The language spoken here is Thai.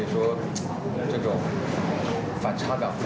มีความสงสัยมีความสงสัย